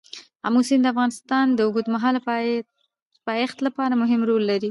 آمو سیند د افغانستان د اوږدمهاله پایښت لپاره مهم رول لري.